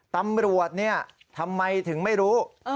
ตำรวจเนี่ยทำไมถึงไม่รู้